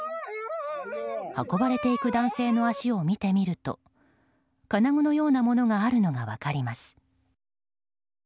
運ばれていく男性の足を見てみると金具のようなものがあるのが分かります。